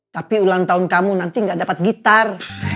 tapi ulang tahun kamu nanti gak dapat gitar